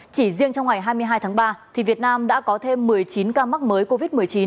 chỉ riêng trong ngày hai mươi hai tháng ba việt nam đã có thêm một mươi chín ca mắc mới covid một mươi chín